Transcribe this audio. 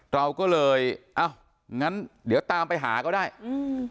เราก็เลยอ้าวงั้นเดี๋ยวตามไปหาก็ได้อืม